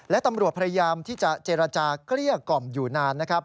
และตำรวจพยายามที่จะเจรจาเกลี้ยกล่อมอยู่นานนะครับ